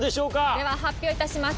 では発表致します。